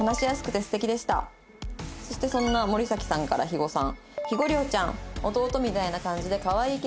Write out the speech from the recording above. そしてそんな森咲さんから肥後さん。